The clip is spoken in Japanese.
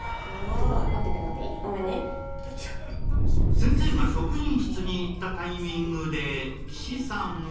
先生が職員室に行ったタイミングで岸さんが